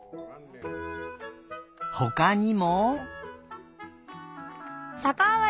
ほかにも。